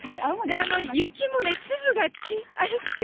雪もね、粒が。